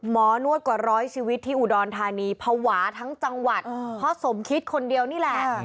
นวดกว่าร้อยชีวิตที่อุดรธานีภาวะทั้งจังหวัดเพราะสมคิดคนเดียวนี่แหละ